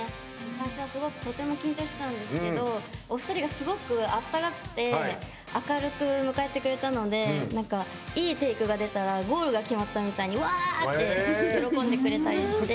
最初はすごくとても緊張してたんですけどお二人がすごくあったかくて明るく迎えてくれたのでいいテイクが出たらゴールが決まったみたいにわーって喜んでくれたりして。